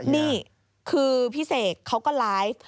นี่คือพี่เสกเขาก็ไลฟ์